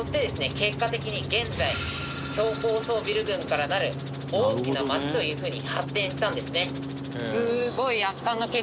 結果的に現在超高層ビル群からなる大きな街という風に発展したんですね。